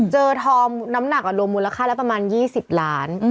ทองน้ำหนักรวมมูลค่าแล้วประมาณ๒๐ล้าน